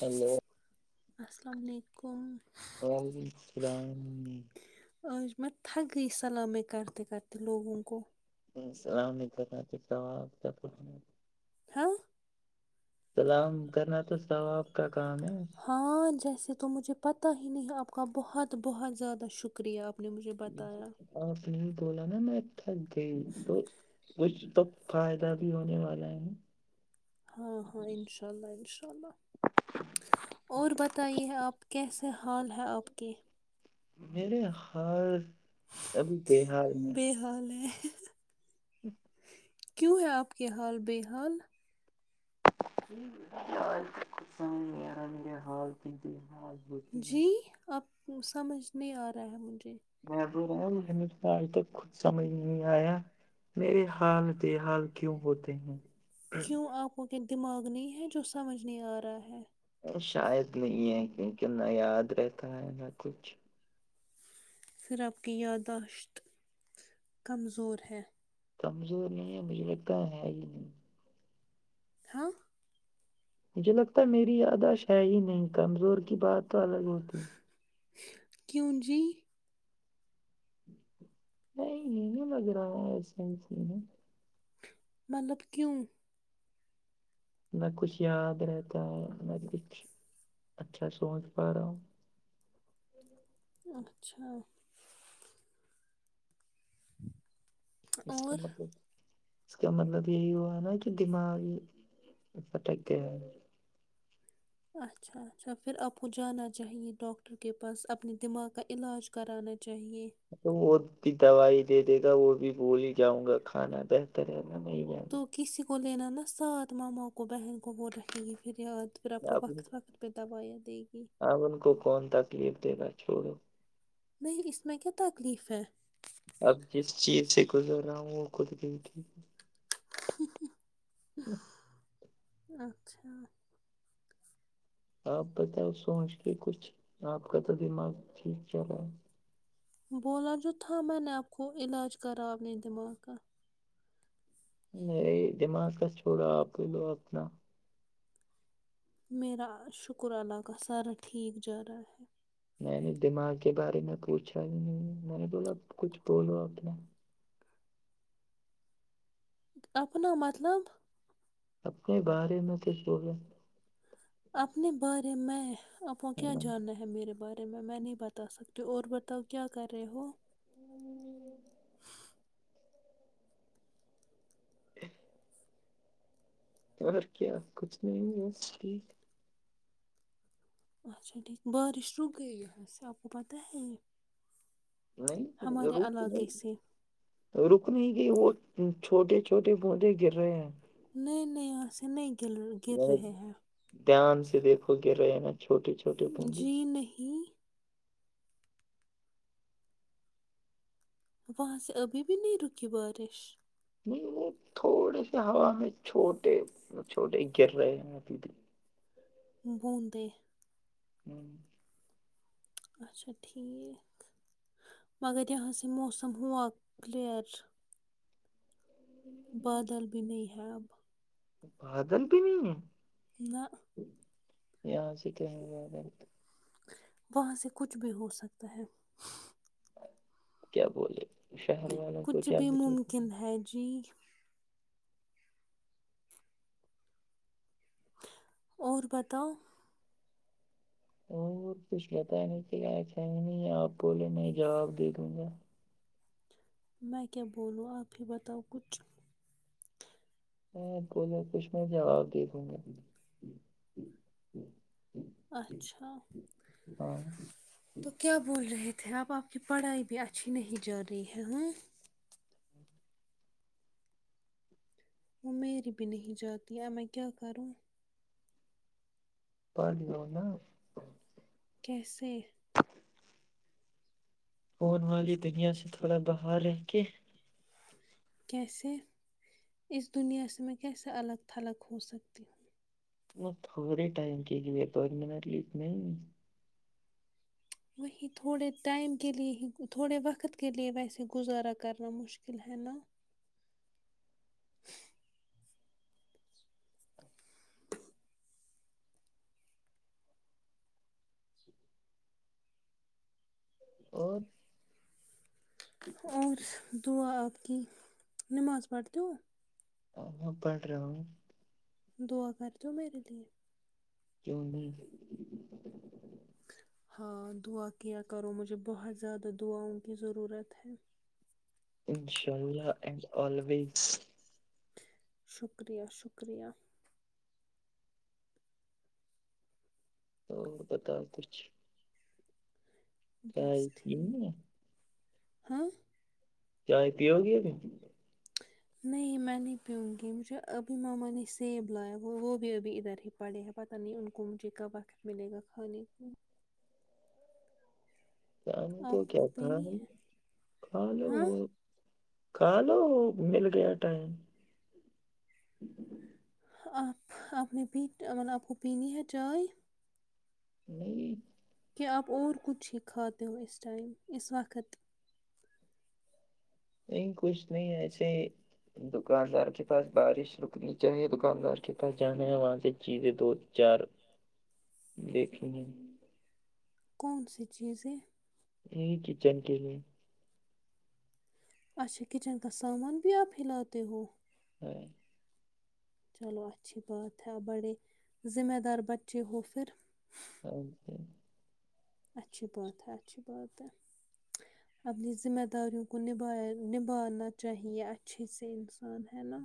hello السلام علیکم وعلیکم السلام آج میں تھک گئی سلامی کرتے کرتے لوگوں کو [unintelligible] [inaudible] ہاں سلام کرنا تو سو آاب کا کام ہے ہاں جیسے تو مجھے پتہ ہی نہیں آپ کا بہت بہت زیادہ شکر شکریہ آپ نے مجھے بتایا آپنے ہی بولا نا میں تھک گئی تو فائدہ بھی ہونے والا ہے ہاں ہاں انشاء اللہ انشاء اللہ اور بتائیے آپ کیسے حال ہے آپ کے میرے ہال ابھی بے حال ہے ب حال ہے [inaudible] [unintelligible] کیوں ہے آپ کے حال بے حال یار مجھے خود سمجھ نہی آرہا ہے میرے حال کیو بے حال جی اب سمجھ نہیں آ رہا ہے مجھے میں بول رہا ہو ہم تو آج تک خود سمجھ نہی آیا میرے حال بے حال کیوں ہوتے ہیں کیوں آپ کو کے دماغ نہیں ہے جو سمجھ نہیں آ رہا ہے شاید نہیں ہے کیونکہ نہ یاد رہتا ہے نہ کچھ پھر آپ کی یادداشت کمزور ہے کمزور نہیں ہے مجھے لگتا ہے ہی نہیں ہاں مجھے لگتا ہے میری یاداش ہے ہی نہیں کمزور کی بات تو الگ ہوتی کیوں جی نہیں نہیں لگ رہا ہے ایس مطلب کیوں نہ کچھ یاد رہتا ہے نہ کچ اچھا سوچ پا رہا ہوں اچھا [inaudible] اس کا اور مطلب اس کا مطلب یہی ہوا نا کہ دماغ بھٹک گیا ہے اچھا اچھا پھر آپ کو جانا چاہیے ڈاکٹر کے پاس اپنے دماغ کا علاج کرانا چاہیے تو وہ بھی دوائی دے دے گا وہ بھی بول ہی جاؤں گا کھانا بہتر ہے نا نہیں ج تو کسی کو لینا نا ساتھ ماما کو بہن کو وہ رہکھے گی پھر یاد پھر آپ کو وقت وقت پہ دوائیاں دے گی اب ان کو کون تکلیف دے گا چھوڑو نہیں اس میں کیا تکلیف ہے اب جس چیز سے گزر رہا ہوں وہ خود کی اچھا آپ بتاؤ سوچ کے کچھ آپ کا تو دماغ ٹھیک چلا ہے بولا تو تھا میں نے آپ کو علاج کرا اپنے دماغ کا میری دماغ کا چھوڑا آپ لو اپنا میرا شکر اللہ کا سارا ٹھیک جا رہا ہے میں نے دماغ کے بارے میں پوچھا بھی نہیں میں نے بولا کچھ بولو اپنا اپنا مطلب اپنے بارے میں کچھ بولو اپنے بارے میں آپ کو کیا جاننا ہے میرے بارے میں میں نہیں بتا سکتی اور بتاؤ کیا کر رہے ہو اور کیا کچھ نہیں بس ٹھیک اچا ٹھیک بارش روک گئی بیسی آپ کو پتہ ہے یہ نہیں ہمارے ضرورت علاقے نہیں سے روک نہیں گئی وہ چھوٹے چھوٹے بودے گر رہے ہیں نہیں نہیں ویسے نہیں گر گر ذرا رہے ہیں دھیان سے دیکھو گر رہے ہیں نا چھوٹی چو جی نہیں وہاں سے ابھی بھی نہیں رکی بارش نہیں وہ تھوڑی سی ہوا میں چھوٹے چھوٹے گر رہے ہیں ابھی بون دے ہوں اچھا ٹھیک مگر یہاں سے موسم ہوا کلیر [inaudible] بادل بھی نہیں ہے اب بادل بھی نہیں ہے نہ یہاں سے تو ہے بادل وہاں سے کچھ بھی ہو سکتا ہے کیا بولے شہر والوں کو کچھ کیا بھی ہوتا ممکن ہے جی اور بتاؤ اور کچھ بتانے کے لائق ہے ہے نہیں ہے آپ بولے میں جناب دے دوں گا میں کیا بولوں آپ ہی بتاؤ کچھ نہیں بولے کچھ میں جواب دے دوں گا اچھا ہاں تو کیا بول رہے تھے اپ آپ کی پڑھائی بھی اچھی نہیں جا رہی ہے ہاں وہ میری بھی نہیں چل رہی ہے اب میں کیا کروں پہالی ل نا کیسے فون والی دنیا سے تھوڑا باہر رہ کے کیسے اس دنیا سے میں کیسے الگ تھلگ ہو سکتی ہوں وہ تھوڑی ٹائم کے لیے پرمینٹلی نہیں وہیں تھوڑے ٹائم کے لیے ہی تھوڑے وقت کے لیے ویسے گزارا کرنا مشکل ہے نا ج اور اور دعا آپ کی نماز پڑھتےو اب پڑھ رہا ہوں دعا کرتے ہو میرے لیے کیوں نہیں ہاں دعا کیا کرو مجھے بہت زیادہ دعاؤں کی ضرورت ہے انشاء اللہ اینڈ آلویز شکریہ شکریہ تو بتاؤ کچھ چائے بس پی لی ٹھیک ہے ہاں چائے پیو گی نہیں میں نہیں پیوں گی مجھے ابھی ماما نے سیب لایا وہ وہ بھی ابھی ادھر ہی پڑے ہیں پت نہیں ان کو مجھے کب وقت ملے گا کھانے کو ٹائم کو آپ کیا پینی ٹائم ہے کھا لو ہاں کھا لومل گیا ٹائم آپ آپ نے پی مطلب آپ کو پینی ہے چائے نہیں کہ آپ اور کچھ ہی کھاتے ہو اس ٹائم اس وقت نہیں کچھ نہیں ایسے دکاندار کے پاس بارش رکنی چاہیے دکاندار کے پاس جانا ہے وہاں سے چیزیں دو چار ج [unintelligible] [inaudible] دیکھیں کون سی چیزیں یہ کچن کے لیے اچھا کچن کا سامان بھی آپ ہلاتے ہو ہاں چلو اچھی بات ہے بڑے ذمہ دار بچے ہو پھر ا جے اچھی بات ہے اچھی بات ہے اپنی ذمہ داریوں کو نبھ نبھا چاہیے اچھی سے انسان ہے نا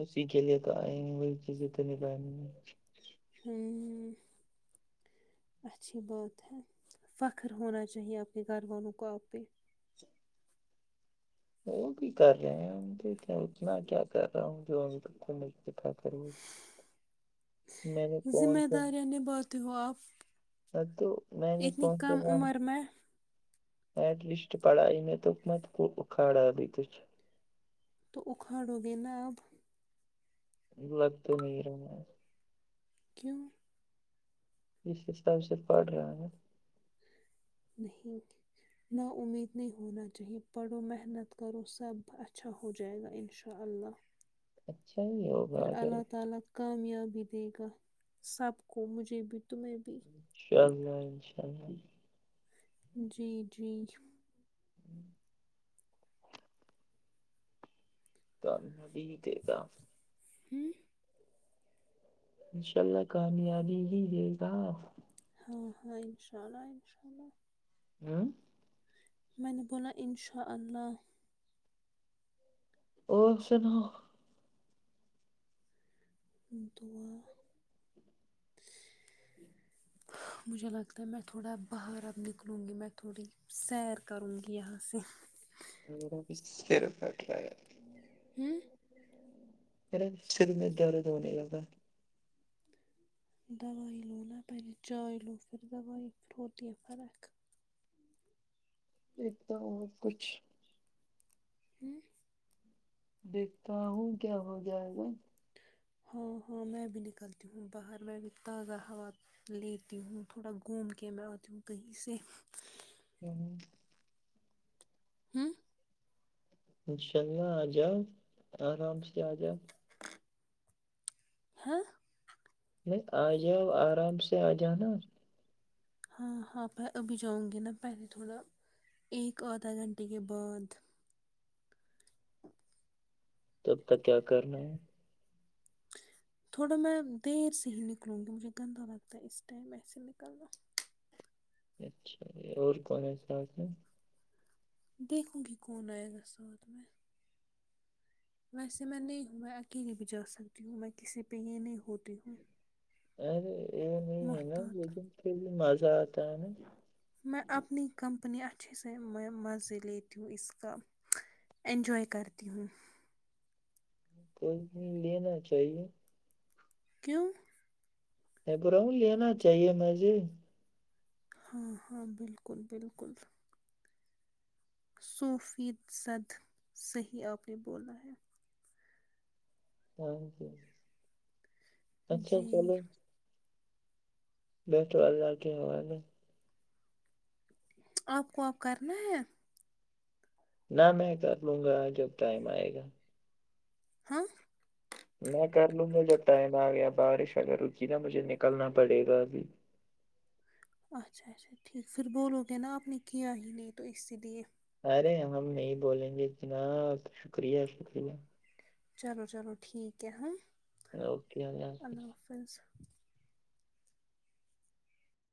اسی کے لیے توئ وہی چیزیں تو نک ہوں ہ اچھی بات ہے فخر ہونا چاہیے آپ کے گھر والوں کو آپ پہ وہ بھی کر رہے ہیں اتنا کیا کر رہا ہوں جو تک اتفاقو ذمہ دارں نباتے ہو آپ ہاں تو میں نے اتنی کون سے کم وہاں عمر میں ایٹ لیسٹ پڑھائی میں تو مت ا کاڑا ل ت تو اکھاڑو گے نا اب لگ تو نہیں رہا کیونوں اس ٹائم سے پڑھ رہا ہے نہیں نا امید نہیں ہونا چاہیے پڑھو محنت کرو سب اچھا ہو جائے گا ان شاء اللہ اللہ اچھا ہی ہوگا اگر اللہ تعالی کامیابی دے گا سب کو مجھے بھی ان شاء اللہ انشاء اللہ جی جی انشاء تو بھی ہی دے گا ہوں انشاء اللہ کامیابی ہی دے گا ہاں ہاں انشاء اللہ انشاء اللہ ہاں میں نے بولا انشاء اللہ اور سنا دعا مجھے لگتا ہے میں تھوڑا باہر اب نکلوں گی میں تھوڑی سیر کروں گی یہاں سے میرا سر پھٹ رہا ہے [unintelligible] [inaudible] ے سر میں دورد ہونے لگا دووائی لو نا پہے چائے لو پھر دووائی پھر ہوتییا فرق ایک تو اور کچھ ہوں دیکھتا ہوں کیا ہو جائے گا ہاں ہاں میں بھی نکلتی ہوں باہر میں بھی تازہ ہوا لیتی ہوں تھوڑا گھوم کے میں آتی ہوں کہیں سے تو ہاں انشاء اللہ آ جاؤ آرام سے آ جاؤ ہاں یہ آ جاؤ آرام سے آ جاؤ نا ہاں ہاں پ ابھی جاؤں گی نا پہلے تھوڑا ایک آدھا گھنٹے کے بعد تب تک کیا کرنا ہے تھوڑا میں دیر سے ہی نکلوں گی مجھے گندا لگتا ہے اس ٹائم ایسے نکلنا اچھا اور کون ہے صاح ہے دیکھوں گی کون آئے گا سوات میں ویسے میں نہیں ہوں میں اکیلے بھی جا سکتی ہوں میں کسی پہ یہ نہیں ہوتی ہوں ارے یہ نہیں ہے نا محتاط ب ک بھی مزاتا میں اپنی کمپنی اچھے سے میں مزے لیتی ہوں اس کا انجوائے کرتی ہوں کوئی نہیں لینا چاہیے کیوں میں ب رہ ہوں لینا چاہیے مھے ہاں ہاں بالکل بالکل صوفی زد صحیح آپ نے بولا ہے تھینک یو اچھا جی چلو اچھا چلو بیٹھو اللہ کے حوالے آپ کو آب کرنا ہے نہ میں کر لوں گا جب ٹائم آئے گا ہاں میں کر لوں گا جب ٹائم آ گیا بارش اگر رکی نا مجھے نکلنا پڑے گا ابھی اچھا اچھا ٹھیک پھر بولو گے نا آپ نے کیا ہی نہیں تو اسی لیے ارے ہم نہیں بولیں گے جناب شکریہ شکریہ چلو چلو ٹھیک ہے ہاں اوکے ا پس